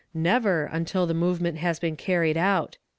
Never, until the movement has been carried out.